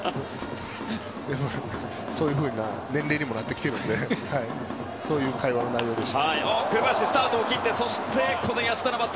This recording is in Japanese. そういうふうな年齢にもなってきているのでそういう会話の内容でした。